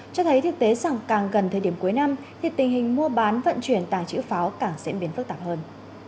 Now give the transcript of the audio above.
cho thấy thực tế rằng càng gần thời điểm cuối năm thì tình hình mua bán vận chuyển tàng chữ pháo càng diễn biến phức tạp hơn